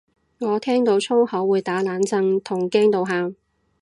我聽到粗口會打冷震同驚到喊